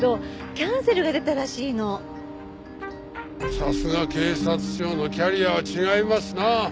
さすが警察庁のキャリアは違いますな。